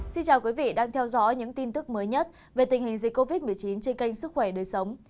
xin chào quý vị đang theo dõi những tin tức mới nhất về tình hình dịch covid một mươi chín trên kênh sức khỏe đời sống